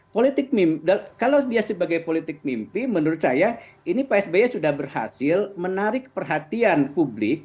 politik mim kalau dia sebagai politik mimpi menurut saya ini pak sby sudah berhasil menarik perhatian publik